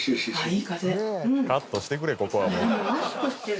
カットしてくれここはもう。